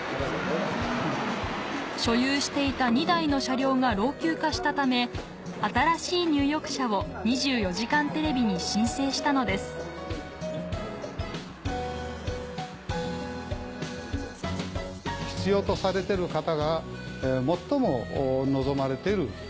所有していた２台の車両が老朽化したため新しい入浴車を『２４時間テレビ』に申請したのですありがとうございました。